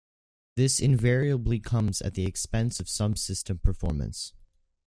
This invariably comes at the expense of some system performance.